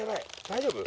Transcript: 大丈夫？